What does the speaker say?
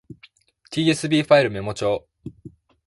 tsv ファイルメモ帳